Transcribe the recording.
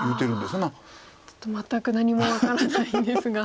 ちょっと全く何も分からないんですが。